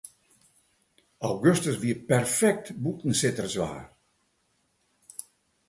Augustus wie perfekt bûtensitterswaar.